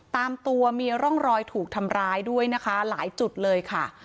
ตามตัวมีร่องรอยถูกทำร้ายด้วยนะคะหลายจุดเลยค่ะ